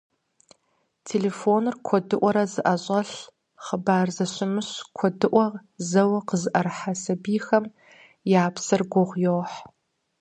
Телефоныр куэдыӀуэрэ зыӀэщӀэлъ, хъыбар зэщымыщ куэдыӀуэ зэуэ къызыӀэрыхьэ сабийхэм я псэр гугъу йохь.